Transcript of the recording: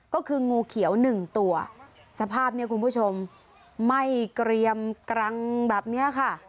ก็คืองูเขียว๑ตัวสภาพนี้คุณผู้ชมไม่เกรียมกลังแบบนี้ค่ะ